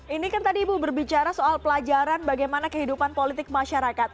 ini kan tadi ibu berbicara soal pelajaran bagaimana kehidupan politik masyarakat